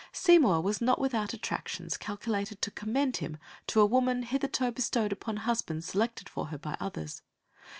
Seymour was not without attractions calculated to commend him to a woman hitherto bestowed upon husbands selected for her by others.